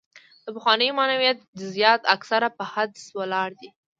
د پخواني معنویت جزیات اکثره په حدس ولاړ دي.